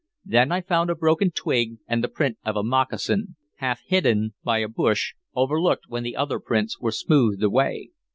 Then I found a broken twig and the print of a moccasin, half hidden by a bush, overlooked when the other prints were smoothed away.